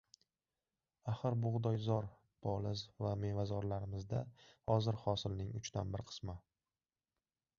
Axir bug‘doyzor, poliz va mevazorlarimizda hozir hosilning uchdan bir qismi